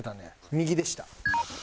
右でした。